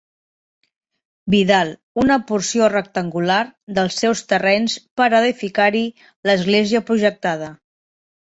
Vidal una porció rectangular dels seus terrenys per edificar-hi l'església projectada.